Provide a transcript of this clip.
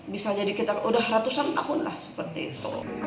bisa jadi kita udah ratusan tahun lah seperti itu